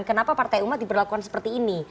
kenapa partai umat diberlakukan seperti ini